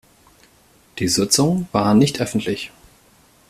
Die Sitzungen waren nicht öffentlich.